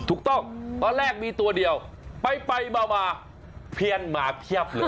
ถูกต้องตอนแรกมีตัวเดียวไปมาเพียนมาเพียบเลย